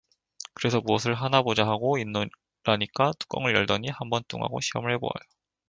그래서 무엇을 하나 보자하고 있노라니까, 뚜껑을 열더니 한 번 뚱하고 시험을 해 보아요.